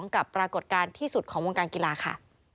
กับปรากฏการณ์ที่สุดของวงการกีฬาค่ะ